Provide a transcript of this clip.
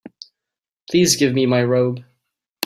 Please give me my robe.